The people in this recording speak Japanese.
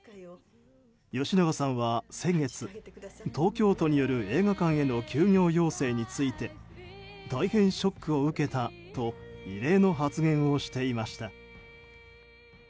吉永さんは先月東京都による映画館への休業要請について大変ショックを受けたと異例の発言をしていました。